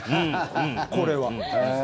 これは。